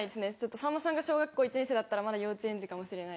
さんまさんが小学校１年生だったらまだ幼稚園児かもしれない。